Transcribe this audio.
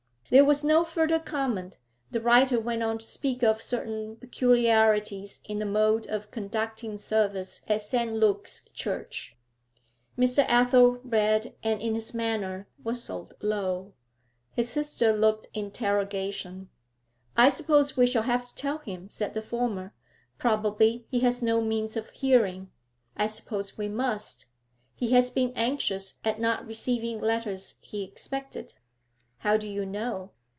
There was no further comment; the writer went on to speak of certain peculiarities in the mode of conducting service at St. Luke's church. Mr. Athel read, and, in his manner, whistled low. His sister looked interrogation. 'I suppose we shall have to tell him,' said the former. 'Probably he has no means of hearing.' 'I suppose we must. He has been anxious at not receiving letters he expected.' 'How do you know?'